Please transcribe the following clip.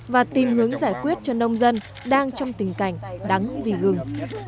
và tìm hướng giải quyết cho nông dân đang trong tình cảnh đáng vì gừng